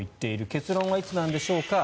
結論はいつなんでしょうか。